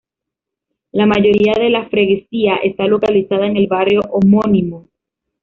La mayoría de la freguesía está localizada en el barrio homónimo.